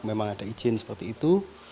memang ada izin seperti itu